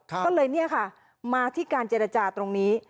ก็เลยฮะมาที่การเจรจาตรงนี้